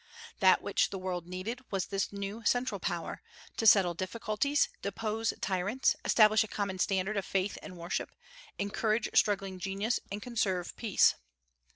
That which the world needed was this new central power, to settle difficulties, depose tyrants, establish a common standard of faith and worship, encourage struggling genius, and conserve peace.